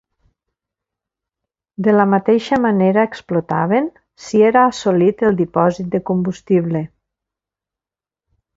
De la mateixa manera explotaven si era assolit el dipòsit de combustible.